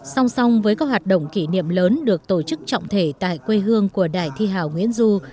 song song với các hoạt động kỷ niệm lớn được tổ chức trọng thể tại quê hương của đại thi hảo nguyễn du